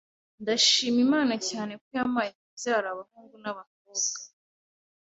ndashima Imana cyane ko yampaye kubyara abahungu n’abakobwa